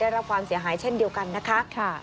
รับความเสียหายเช่นเดียวกันนะคะ